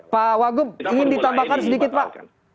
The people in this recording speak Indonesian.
pak wagub ingin ditambahkan sedikit pak